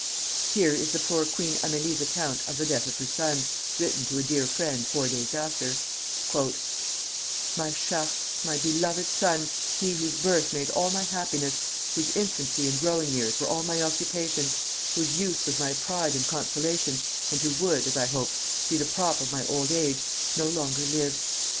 Here is the poor Queen Amélie's account of the death of her son, written to a dear friend four days after: "My Chartres, my beloved son, he whose birth made all my happiness, whose infancy and growing years were all my occupation, whose youth was my pride and consolation, and who would, as I hoped, be the prop of my old age, no longer lives.